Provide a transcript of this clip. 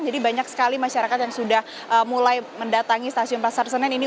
jadi banyak sekali masyarakat yang sudah mulai mendatangi stasiun pasar senen ini